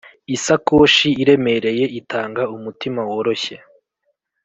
isakoshi iremereye itanga umutima woroshye